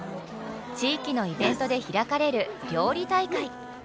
地域のイベントで開かれる料理大会。